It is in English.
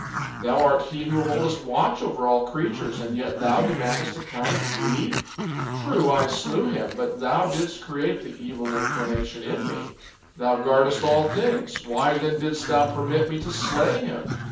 Thou art He who holdest watch over all creatures, and yet Thou demandest account of me! True, I slew him, but Thou didst create the evil inclination in me. Thou guardest all things; why, then, didst Thou permit me to slay him?